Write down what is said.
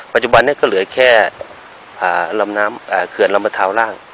ปัจจุบันนี้ก็เหลือแค่ลำน้ำเขื่อนลำประทาวร่าง